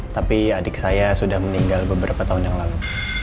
tapi adik saya sudah meninggal beberapa tahun yang lalu